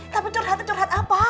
tapi curhatnya curhat apa